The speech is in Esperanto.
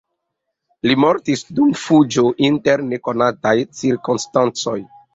Li mortis dum fuĝo inter nekonataj cirkonstancoj.